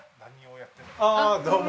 ああどうも。